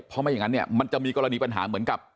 เพราะไม่อย่างนั้นเนี่ยมันจะมีกรณีปัญหาเหมือนกับ